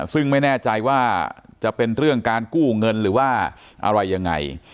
ซึ่งไม่แน่ใจว่าจะเป็นเรื่องการกู้เงินหรือว่าอะไรยังไง